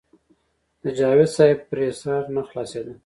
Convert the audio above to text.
د جاوېد صېب پرې سر نۀ خلاصېدۀ -